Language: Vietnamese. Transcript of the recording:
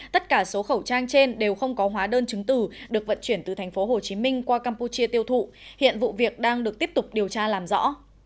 tất cả số khẩu trang trên đều không có hóa đơn chứng từ được vận chuyển từ tp hcm qua campuchia tiêu thụ hiện vụ việc đang được tiếp tục điều tra làm rõ